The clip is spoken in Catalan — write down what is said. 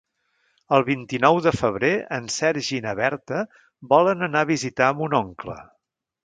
El vint-i-nou de febrer en Sergi i na Berta volen anar a visitar mon oncle.